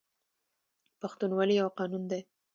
پښتونولي یو قانون دی